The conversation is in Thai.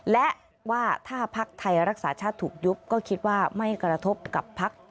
และว่าถ้าพักไทยรักษาชาติถูกยุบก็คิดว่าไม่กระทบกับพัก